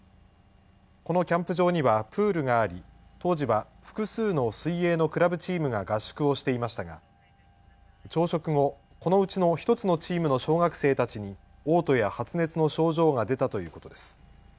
このキャンプ場にはプールがあり当時は複数の水泳のクラブチームが合宿をしていましたが朝食後、このうちの１つのチームの小学生たちにおう吐や発熱の症状が出たということです。